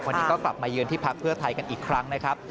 วันนี้ก็กลับมาเยือนที่พักเพื่อไทยกันอีกครั้งนะครับ